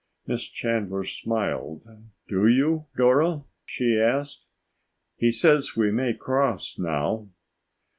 Miss Chandler smiled. "Do you, Dora?" she asked. "He says we may cross now."